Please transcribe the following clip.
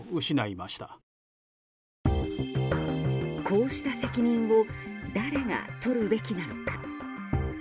こうした責任を誰がとるべきなのか。